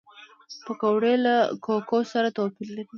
پکورې له کوکو سره توپیر لري